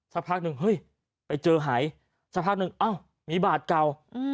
สักพักหนึ่งเฮ้ยไปเจอหายสักพักหนึ่งอ้าวมีบาดเก่า